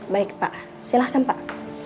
baik pak silahkan pak